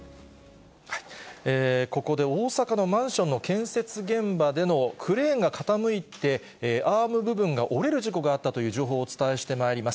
ここで大阪のマンションの建設現場でのクレーンが傾いて、アーム部分が折れる事故があったという情報をお伝えしてまいりま